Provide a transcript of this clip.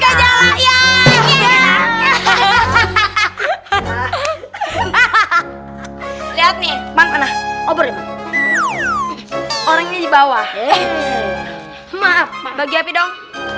hahaha hahaha lihat nih mana obor orangnya dibawah maaf bagi api dong